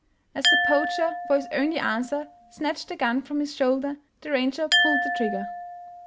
" As the poacher, for his only answer, snatched the gun from his shoulder, the ranger pulled the trigger.